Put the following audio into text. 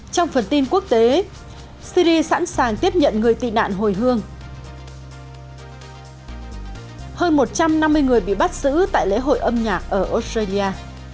trong phần tin quốc tế syri sẵn sàng tiếp nhận người tị nạn hồi hương hơn một trăm năm mươi người bị bắt giữ tại lễ hội âm nhạc ở australia